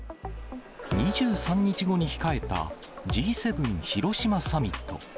２３日後に控えたＧ７広島サミット。